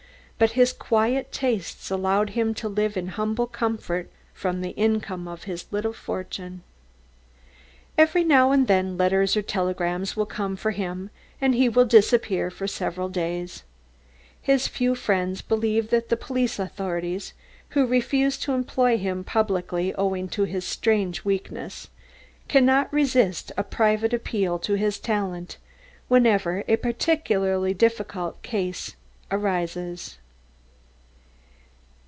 But his quiet tastes allowed him to live in humble comfort from the income of his little fortune. Every now and then letters or telegrams will come for him and he will disappear for several days. His few friends believe that the police authorities, who refused to employ him publicly owing to his strange weakness, cannot resist a private appeal to his talent whenever a particularly difficult case arises.